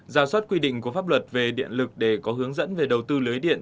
ra soát quy định của pháp luật về điện lực để có hướng dẫn về đầu tư lưới điện